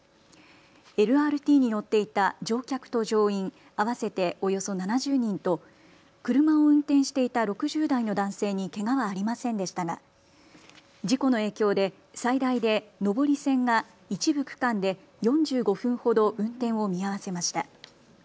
ＬＲＴによっていた乗客と乗員合わせておよそ７０人と車を運転していた６０代の男性にけがはありませんでしたが事故の影響で最大で上り線が一部区間で４５分ほど運転を見合わせました。